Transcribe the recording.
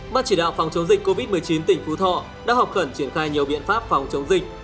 ban chỉ đạo phòng chống dịch covid một mươi chín tỉnh phú thọ đã họp khẩn triển khai nhiều biện pháp phòng chống dịch